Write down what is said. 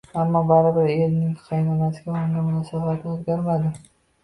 Ammo, baribir erining, qaynonasining unga munosabati o`zgarmadi